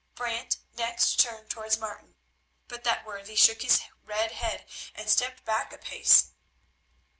Brant next turned towards Martin, but that worthy shook his red head and stepped back a pace.